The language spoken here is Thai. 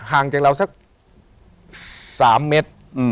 ห่างจากเราสัก๓เมตร